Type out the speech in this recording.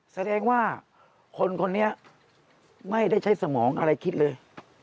แสดงว่าคนคนนี้ไม่ได้ใช้สมองอะไรคิดเลย